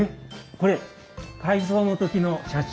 これ改装の時の写真。